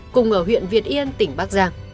cùng ở huyện việt yên tỉnh bắc giang